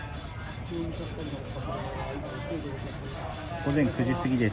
午前９時過ぎです。